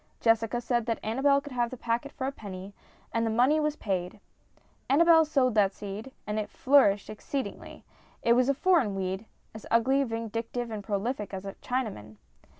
Jessica said that Annabel could have the packet for a penny, and the money was paid. Annabel sowed that seed, and it flourished exceedingly. It was a foreign weed as ugly,, vindictive, and prolific as a Chinaman